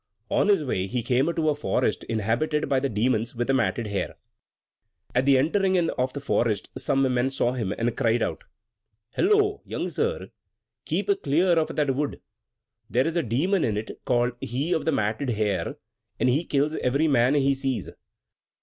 On his way he came to a forest inhabited by the Demon with the Matted Hair. At the entering in of the forest some men saw him, and cried out: "Hullo, young sir, keep clear of that wood! There's a Demon in it called he of the Matted Hair: he kills every man he sees!"